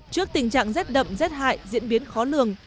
trước tình trạng rét đậm rét hại diễn biến khó lường